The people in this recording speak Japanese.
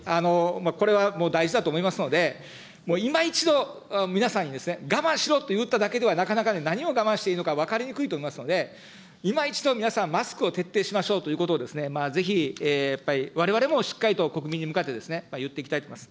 これはもう大事だと思いますので、今一度、皆さんに我慢しろと言っただけではなかなか何を我慢していいのか分かりにくいと思いますので、いま一度皆さん、マスクを徹底しましょうということを、ぜひやっぱり、われわれもしっかりと国民に向かって言っていきたいと思います。